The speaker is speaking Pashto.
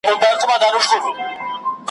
د حاجتونو جوابونه لیکي `